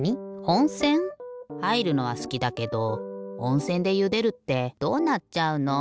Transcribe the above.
おんせん？はいるのはすきだけどおんせんでゆでるってどうなっちゃうの？